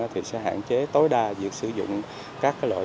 thì sẽ hạn chế tối đa việc sử dụng các loại